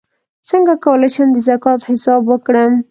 څنګه کولی شم د زکات حساب وکړم